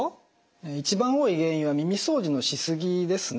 一番多い原因は耳掃除のしすぎですね。